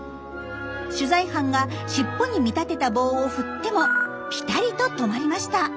取材班がしっぽに見立てた棒を振ってもピタリと止まりました。